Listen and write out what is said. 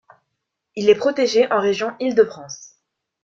Il est protégé en région Île-de-France.